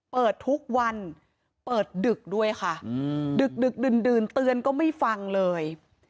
เปิดทุกวันเปิดดึกด้วยค่ะดึกดื่นเตือนก็ไม่ฟังเลย